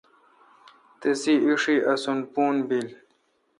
تسی ایݭی اسون پھور بیل۔